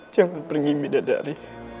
jangan pergi bidadari